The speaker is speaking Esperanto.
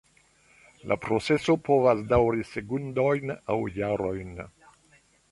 La proceso povas daŭri sekundojn aŭ jarojn.